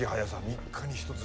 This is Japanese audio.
３日に一つ。